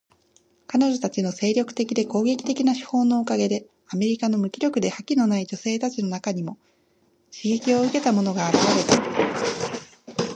彼女たちの精力的で攻撃的な手法のおかげで、アメリカの無気力で覇気のない女性たちの中にも刺激を受けた者が現れた。